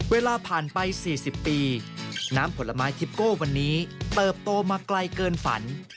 เวลาผ่านไป๔๐ปีน้ำผลไม้ทิปโก้วันนี้เติบโตมาไกลเกินฝัน